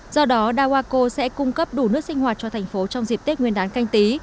do đó dawako sẽ cung cấp đủ nước sinh hoạt cho thành phố trong dịp tết nguyên đán canh tí